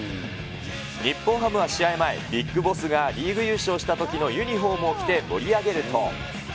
日本ハムは試合前、ＢＩＧＢＯＳＳがリーグ優勝したときのユニホームを着て盛り上げると。